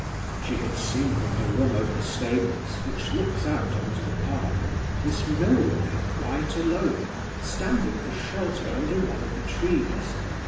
She had seen from her room over the stables (which looks on to the park) Miss Milroy quite alone, standing for shelter under one of the trees.